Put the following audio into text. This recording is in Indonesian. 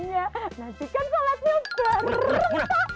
nanti kan sholatnya bareng